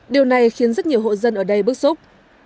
điều này khiến rất nhiều hộ dân ở đây bức xúc